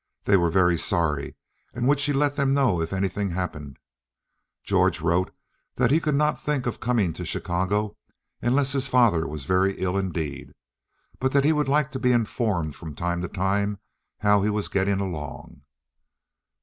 They were very sorry, and would she let them know if anything happened. George wrote that he could not think of coming to Chicago unless his father was very ill indeed, but that he would like to be informed from time to time how he was getting along.